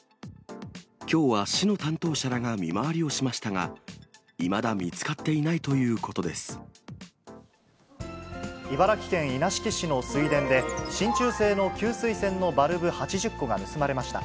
きょうは市の担当者らが見回りをしましたが、いまだ見つかってい茨城県稲敷市の水田で、真ちゅう製の給水栓のバルブ８０個が盗まれました。